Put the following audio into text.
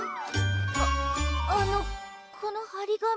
あっあのこのはり紙の。